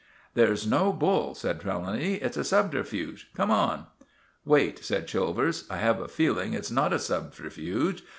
"There's no bull!" said Trelawny. "It's a subterfuge. Come on." "Wait," said Chilvers. "I have a feeling it's not a subterfuge.